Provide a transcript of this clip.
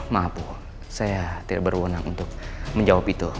maaf saya tidak berwenang untuk menjawab itu